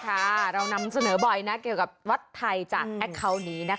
เรานำเสนอบ่อยนะเกี่ยวกับวัดไทยจากแอคเคาน์นี้นะคะ